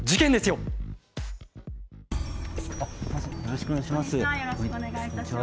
よろしくお願いします。